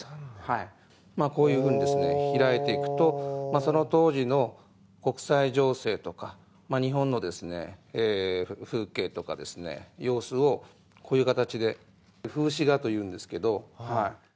こういうふうに開いていくとその当時の国際情勢とか日本の風景とか様子をこういう形で風刺画というんですけど。